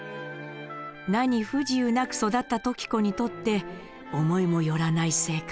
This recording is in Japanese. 何不自由なく育った時子にとって思いも寄らない生活。